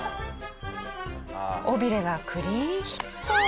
尾ビレがクリーンヒット！